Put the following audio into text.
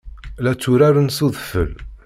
La tturaren s udfel.